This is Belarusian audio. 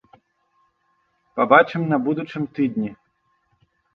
Пабачым на будучым тыдні.